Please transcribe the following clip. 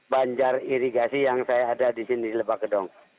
banjar irigasi yang saya ada di sini di lebak gedong